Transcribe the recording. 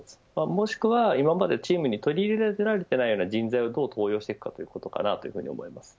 もしくは、今までチームに取り入れられていないような人材をどう登用していくかだと思います。